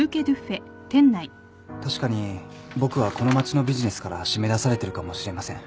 確かに僕はこの街のビジネスから締め出されてるかもしれません。